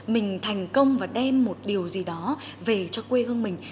mình thành công và đem một điều gì đó về cho quê hương mình